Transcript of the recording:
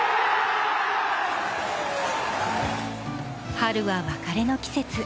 春は別れの季節。